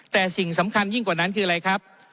แต่สิ่งสำคัญยิ่งกว่านั้นคืออะไรครับ